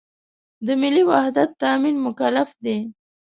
د ملي وحدت تأمین مکلف دی.